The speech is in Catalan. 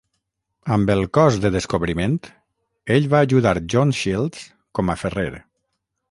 Amb el Cos de Descobriment, ell va ajudar John Shields com a ferrer.